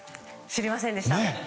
知りませんでした。